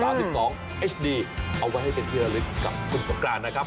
เอาไว้ให้เป็นเที่ยวละลึกกับคุณสการนะครับ